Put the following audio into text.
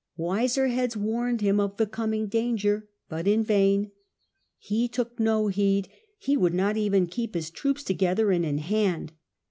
Wiser heads warned him of the coming danger, but in vain. He took no heed, he would not even keep his troops together and in hand.